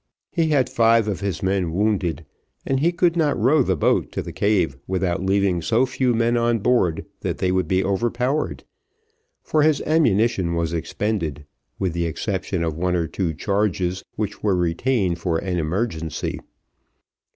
He had five of his men wounded, and he could not row the boat to the cave without leaving so few men on board, that they would be overpowered, for his ammunition was expended, with the exception of one or two charges, which were retained for an emergency.